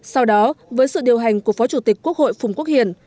sau đó với sự điều hành của phó chủ tịch quốc hội phùng quốc hiền